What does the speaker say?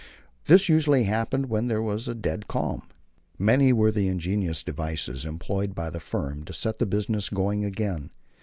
This usually happened when there was a dead calm. Many were the ingenious devices employed by the firm to set the business going again.